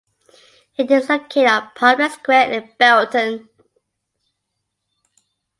It is located on Public Square in Belton.